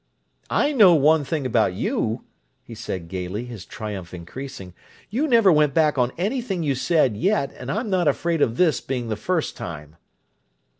"I know one thing about you," he said gayly, his triumph increasing. "You never went back on anything you said, yet, and I'm not afraid of this being the first time!"